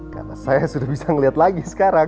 karena saya sudah bisa ngeliat lagi sekarang